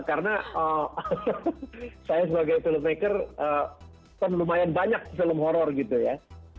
karena saya sebagai filmmaker kan lumayan banyak film horor gitu ya